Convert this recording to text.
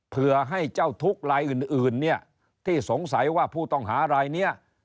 เพื่อให้เจ้าทุกข์รายอื่นเนี่ยที่สงสัยว่าผู้ต้องหารายนี้